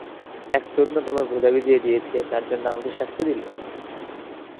এক চোদনা তোমার ভোদা ভিজিয়ে দিয়েছে তার জন্য আমাকে শাস্তি দিলে?